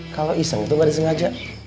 kalau iseng itu gak disengaja